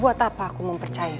buat apa aku mempercayainu